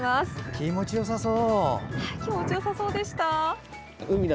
気持ちよさそう。